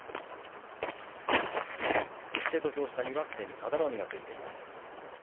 土俵下には、すでに佐田の海がついています。